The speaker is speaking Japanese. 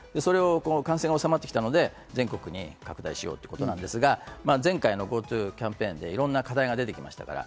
感染が収まってきたので、全国に拡大しようってことなんですが、前回のＧｏＴｏキャンペーンでいろんな課題が出てきましたから。